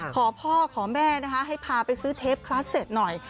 พ่อขอแม่นะคะให้พาไปซื้อเทปคลาสเต็ตหน่อย